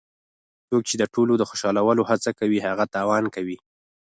څوک چې د ټولو د خوشحالولو هڅه کوي هغه تاوان کوي.